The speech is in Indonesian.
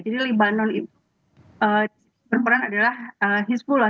jadi libanon berperan adalah hezbollah